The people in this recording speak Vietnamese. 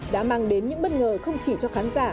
đã mang đến những bất ngờ không chỉ cho khán giả